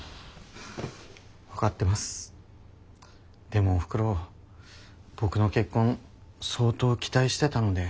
でもおふくろ僕の結婚相当期待してたので。